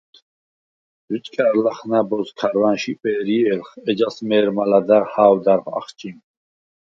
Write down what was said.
ჯჷჭკა̈რ ლახ ნა̈ბოზს ქარვანშვ იპვე̄რჲე̄ლხ, ეჯას მე̄რმა ლადა̈ღ ჰა̄ვდა̈რ ახჭიმ.